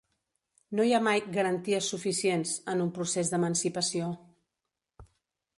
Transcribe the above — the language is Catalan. No hi ha mai “garanties suficients” en un procés d’emancipació.